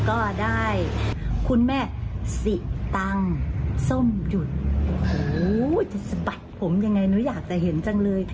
โอ้โหจะสะบัดผมยังไงเนอะอยากจะเห็นจังเลย